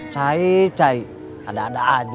cai cai ada ada aja